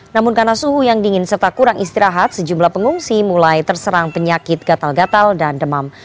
namun karena suhu yang dingin serta kurang istirahat sejumlah pengungsi mulai terserang penyakit gatal gatal dan demam